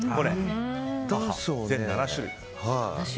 全７種類。